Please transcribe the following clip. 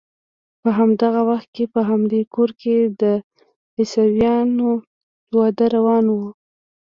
په همدغه وخت کې په همدې کور کې د عیسویانو واده روان و.